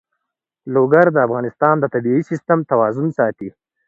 لوگر د افغانستان د طبعي سیسټم توازن ساتي.